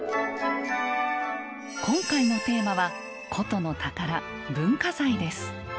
今回のテーマは古都の宝文化財です。